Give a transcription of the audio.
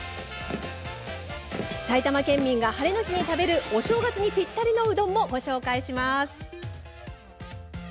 埼玉県民がハレの日に食べるお正月に、ぴったりのうどんをご紹介します。